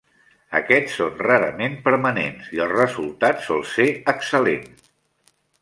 Aquests són rarament permanents, i el resultat sol ser excel·lent.